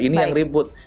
ini yang ribut